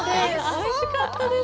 おいしかったです！